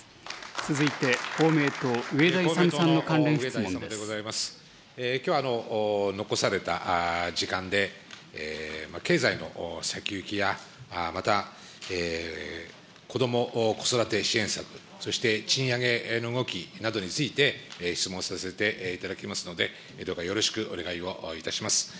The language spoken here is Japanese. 続いて公明党、きょう、残された時間で経済の先行きや、また子ども・子育て支援策、そして賃上げの動きなどについて、質問させていただきますので、どうかよろしくお願いをいたします。